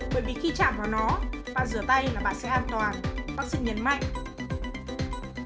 bởi vì khi chạm vào nó và rửa tay là bạn sẽ an toàn bác sĩ nhấn mạnh